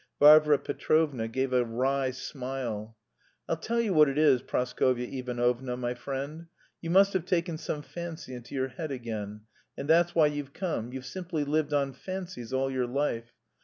Varvara Petrovna gave a wry smile. "I'll tell you what it is, Praskovya Ivanovna, my friend, you must have taken some fancy into your head again, and that's why you've come. You've simply lived on fancies all your life.